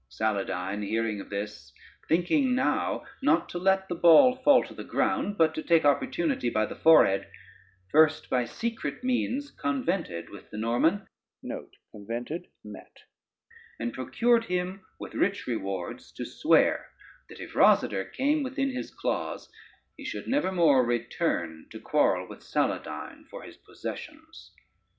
Saladyne hearing of this, thinking now not to let the ball fall to the ground, but to take opportunity by the forehead, first by secret means convented with the Norman, and procured him with rich rewards to swear that if Rosader came within his claws he should never more return to quarrel with Saladyne for his possessions.